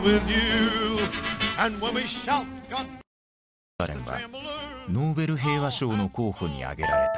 チェンバレンはノーベル平和賞の候補に挙げられた。